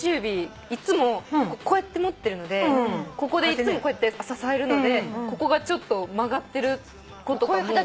いつもこうやって持ってるのでここでいつもこうやって支えるのでここがちょっと曲がってる子とかも。